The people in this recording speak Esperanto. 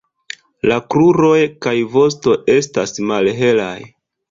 La kruroj kaj vosto estas malhelaj.